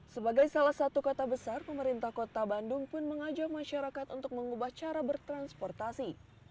sebagai salah satu kota besar pemerintah kota bandung pun mengajak masyarakat untuk mengubah cara bertransportasi